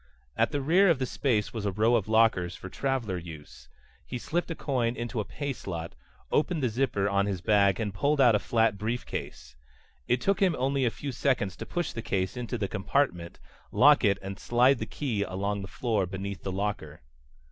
At the rear of the space was a row of lockers for traveler use. He slipped a coin into a pay slot, opened the zipper on his bag and pulled out a flat briefcase. It took him only a few seconds to push the case into the compartment, lock it and slide the key along the floor beneath the locker.